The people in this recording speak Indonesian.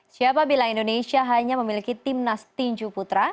siapa bilang indonesia hanya memiliki tim nas tinju putra